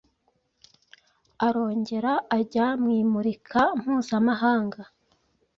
Arongera ajya mu imurika mpuzamahanga